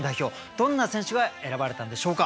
どんな選手が選ばれたんでしょうか。